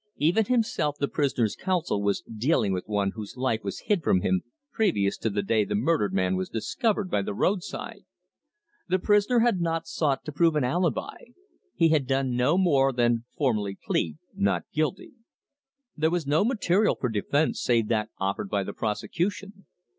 Even himself the prisoner's counsel was dealing with one whose life was hid from him previous to the day the murdered man was discovered by the roadside. The prisoner had not sought to prove an alibi; he had done no more than formally plead not guilty. There was no material for defence save that offered by the prosecution.